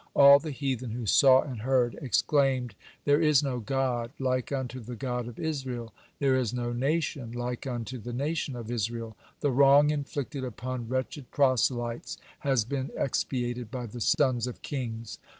All the heathen who saw and heard exclaimed: "There is no God like unto the God of Israel, there is no nation like unto the nation of Israel; the wrong inflicted upon wretched proselytes has been expiated by the sons of kings."